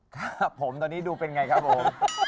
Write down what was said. ครับผมตอนนี้ดูเป็นไงครับผม